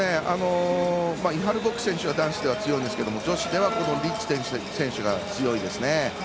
イハル・ボキ選手は男子では強いんですが女子ではこのジッリ選手が強いですね。